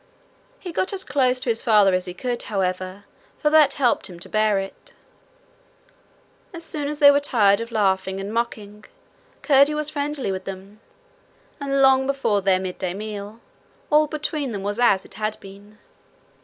He got as close to his father as he could, however, for that helped him to bear it. As soon as they were tired of laughing and mocking, Curdie was friendly with them, and long before their midday meal all between them was as it had been.